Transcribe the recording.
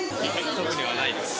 特にはないです。